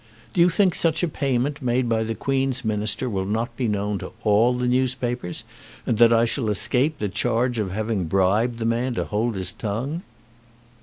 Do you think such a payment made by the Queen's Minister will not be known to all the newspapers, and that I shall escape the charge of having bribed the man to hold his tongue?"